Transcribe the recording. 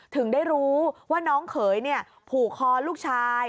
ถึงได้รู้ว่าน้องเขยผูกคอลูกชาย